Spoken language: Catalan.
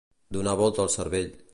Donar volta al cervell.